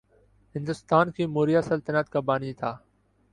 ہندوستان کی موریا سلطنت کا بانی تھا